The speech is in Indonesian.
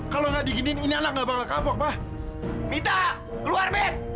kalau nggak diginiin ini anaknya bakal kabur mita luar